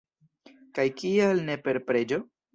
Kaj kial ne per preĝo?!